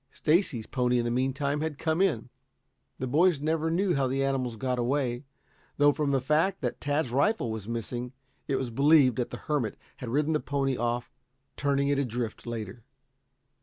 Stacy's pony in the meantime had come in. The boys never knew how the animals got away, though from the fact that Tad's rifle was missing, it was believed that the hermit had ridden the pony off, turning it adrift later.